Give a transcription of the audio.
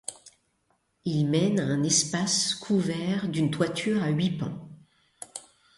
Il mène à un espace couvert d'une toiture à huit pans.